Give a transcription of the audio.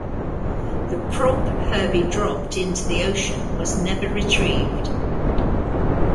The prop Herbie dropped into the ocean was never retrieved.